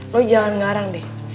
lo jangan ngarang deh